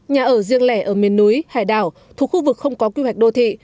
nhà ở riêng lẻ ở miền núi hải đảo thuộc khu vực không có quy hoạch đô thị